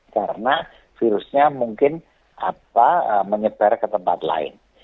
karena virusnya mungkin menyebar ke tempat lain